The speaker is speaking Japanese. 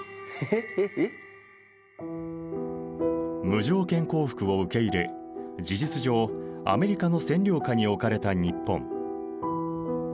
無条件降伏を受け入れ事実上アメリカの占領下におかれた日本。